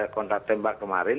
kontak tembak kemarin